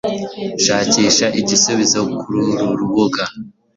shakisha igisubizo kururu rubuga